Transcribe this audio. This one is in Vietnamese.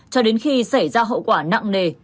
cho đến khi xảy ra hậu quả nặng nề